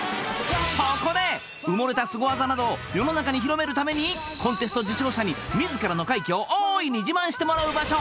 そこで埋もれたスゴ技などを世の中に広めるためにコンテスト受賞者に自らの快挙を大いに自慢してもらう場所